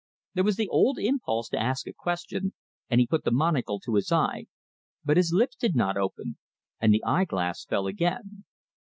There was the old impulse to ask a question, and he put the monocle to his eye, but his lips did not open, and the eye glass fell again.